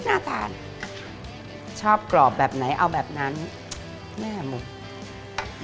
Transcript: น่าทานชอบกรอบแบบไหนเอาแบบนั้นแม่หมด